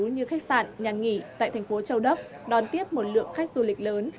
như khách sạn nhà nghỉ tại thành phố châu đốc đón tiếp một lượng khách du lịch lớn